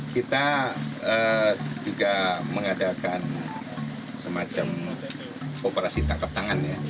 kita juga mengadakan semacam operasi tangkap tangan ya